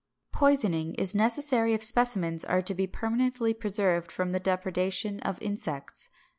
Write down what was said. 566. =Poisoning= is necessary if specimens are to be permanently preserved from the depredation of insects.